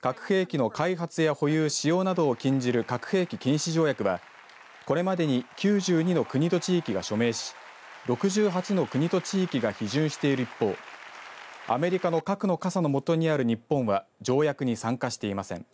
核兵器の開発や保有使用などを禁じる核兵器禁止条約はこれまでに９２の国と地域が署名し６８の国と地域が批准している一方アメリカの核の傘の下にある日本は条約に参加していません。